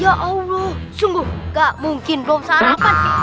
ya allah sungguh gak mungkin belum sarapan